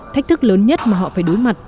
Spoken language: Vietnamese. thách thức lớn nhất mà họ phải đối mặt